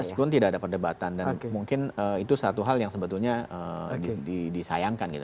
meskipun tidak ada perdebatan dan mungkin itu satu hal yang sebetulnya disayangkan gitu